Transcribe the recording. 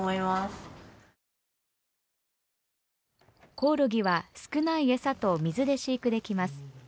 コオロギは少ない餌と水で飼育できます。